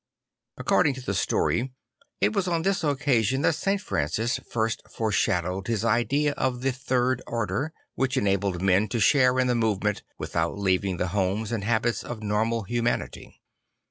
According to the story, 126 St. Francis of Assisi it was on this occasion that St. Francis first fore shadowed his idea of the Third Order which enabled men to share in the movement without leaving the homes and habits of normal humanity.